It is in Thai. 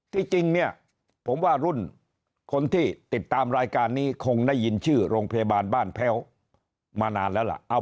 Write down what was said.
จริงเนี่ยผมว่ารุ่นคนที่ติดตามรายการนี้คงได้ยินชื่อโรงพยาบาลบ้านแพ้วมานานแล้วล่ะ